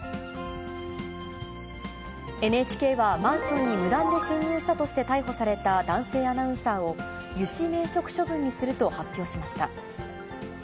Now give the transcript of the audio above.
ＮＨＫはマンションに無断で侵入したとして逮捕された男性アナウンサーを、諭旨免職処分にすると発表しました。